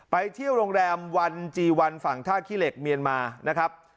ไปเที่ยวโรงแรมวันจีวันฝั่งท่าขี้เหล็กเมียนมานะครับ